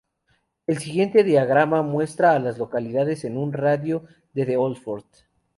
El siguiente diagrama muestra a las localidades en un radio de de Old Fort.